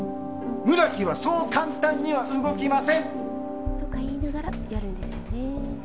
村木はそう簡単には動きません！とか言いながらやるんですよね。